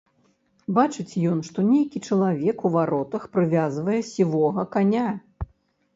Бачыць ён, што нейкі чалавек у варотах прывязвае сівога каня.